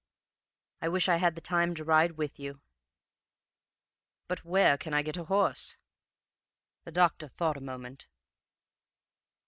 I wish I had time to ride with you.' "'But where can I get a horse?' "The doctor thought a moment.